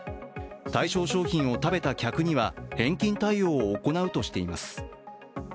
対象商品を食べた客には返金対応を行うとしています。